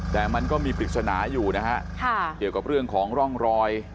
แต่มันก็มีปริศนาอยู่นะฮะเกี่ยวกับเรื่องของร่องรอย